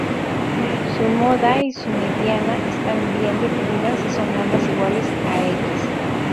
Su moda y su mediana están bien definidas y son ambas iguales a x.